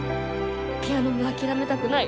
ピアノも諦めたくない。